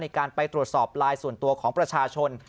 การไปตรวจสอบไลน์ส่วนตัวของประชาชน